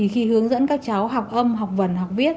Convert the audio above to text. khi hướng dẫn các cháu học âm học vần học viết